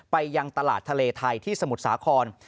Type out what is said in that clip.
ยังตลาดทะเลไทยที่สมุทรสาคร